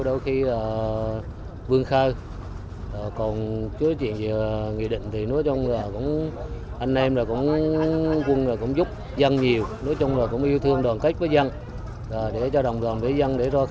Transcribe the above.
đôi khi là